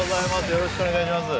よろしくお願いします